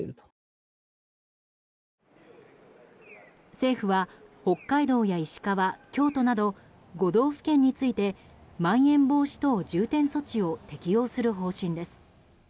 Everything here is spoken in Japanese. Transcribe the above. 政府は、北海道や石川京都など５道府県についてまん延防止等重点措置を適用する方針です。